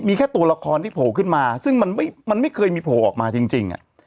มีแค่ตัวละครที่โผล่ขึ้นมาซึ่งมันไม่เคยมีโผล่ออกมาจริง